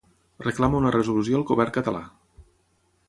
Reclama una resolució al govern català.